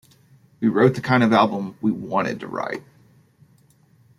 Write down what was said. We wrote the kind of album we wanted to write.